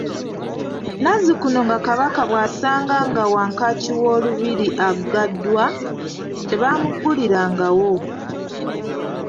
Nazzikuko nga Kabaka bw’asanga nga wankaaki wo lubiri aggaddwa, tebamuggulirawo.